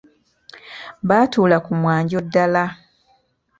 Baatuula ku mwanjo ddala.